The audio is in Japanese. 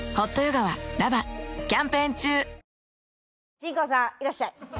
新婚さんいらっしゃい！